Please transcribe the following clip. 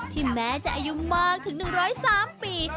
แม้จะอายุมากถึง๑๐๓ปี